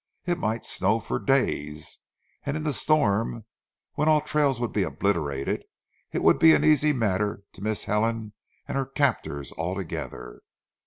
It might snow for days, and in the storm, when all trails would be obliterated it would be an easy matter to miss Helen and her captors altogether.